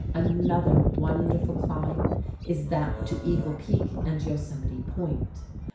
Another wonderful climb is that to Eagle Peak and Yosemite Point.